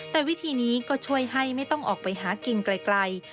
แต่วิธีนี้ก็ช่วยให้ไม่ต้องออกไปหากินไกล